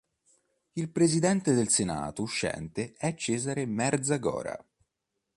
Il Presidente del Senato uscente è Cesare Merzagora.